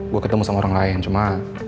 gue ketemu sama orang lain cuma